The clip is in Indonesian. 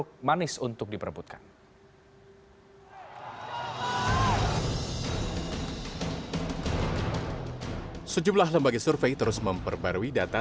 dan di mana asegur kita